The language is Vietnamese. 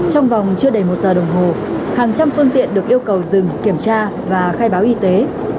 trong vòng chưa đầy một giờ đồng hồ hàng trăm phương tiện được yêu cầu dừng kiểm tra và khai báo y tế